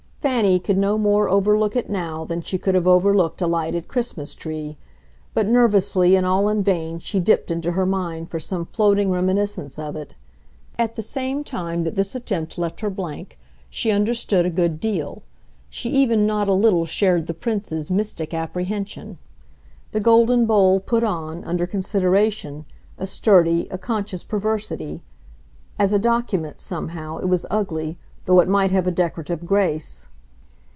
Fanny could no more overlook it now than she could have overlooked a lighted Christmas tree; but nervously and all in vain she dipped into her mind for some floating reminiscence of it. At the same time that this attempt left her blank she understood a good deal, she even not a little shared the Prince's mystic apprehension. The golden bowl put on, under consideration, a sturdy, a conscious perversity; as a "document," somehow, it was ugly, though it might have a decorative grace.